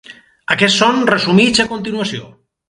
Aquests són resumits a continuació.